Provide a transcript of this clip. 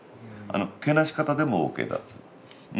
けなし方でもＯＫだっていう。